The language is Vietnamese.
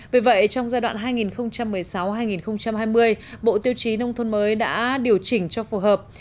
vì vậy trong giai đoạn hai nghìn một mươi sáu hai nghìn hai mươi bộ tiêu chí nông thôn mới đã điều chỉnh cho phù hợp